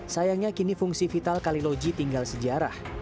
sayangnya kini fungsi vital kaliloji tinggal sejarah